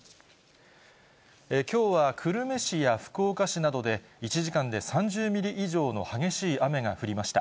きょうは久留米市や福岡市などで、１時間で３０ミリ以上の激しい雨が降りました。